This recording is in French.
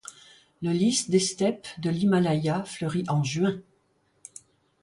Le lis des steppes de l'Himalaya fleurit en juin.